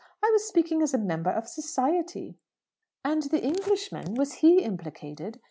I was speaking as a member of society." "And the Englishman was he implicated?"